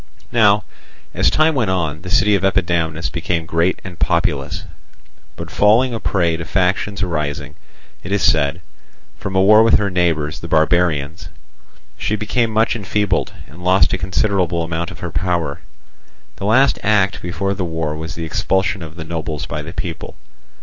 Now, as time went on, the city of Epidamnus became great and populous; but falling a prey to factions arising, it is said, from a war with her neighbours the barbarians, she became much enfeebled, and lost a considerable amount of her power. The last act before the war was the expulsion of the nobles by the people.